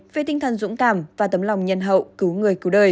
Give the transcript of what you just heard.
về tinh thần dũng cảm và tấm lòng nhân hậu cứu người cứu đời